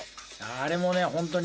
あれもね本当に。